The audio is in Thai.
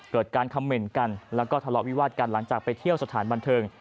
เกิดการคำเหม็นกันแล้วก็ทะเลาะวิวาดกันหลังจากไปเที่ยวสถานบันเทิง